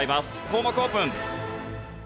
項目オープン。